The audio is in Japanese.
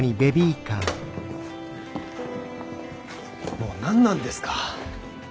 もう何なんですか。